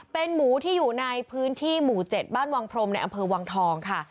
เป็นหมูที่อยู่ในพื้นที่หมู่๗บ้านวังพรมในอำเภอวังทองค่ะ